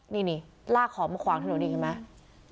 นี่ลากของมาขวางถนนนี่เห็นไหม